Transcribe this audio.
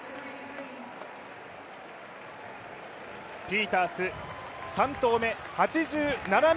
ピータース３投目、８７ｍ２１。